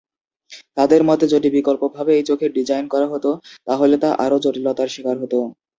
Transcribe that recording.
তাদের মতে যদি বিকল্পভাবে এই চোখের ডিজাইন করা হত, তাহলে তা আরো জটিলতার স্বীকার হত।